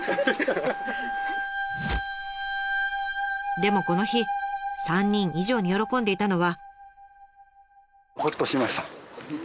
でもこの日３人以上に喜んでいたのは。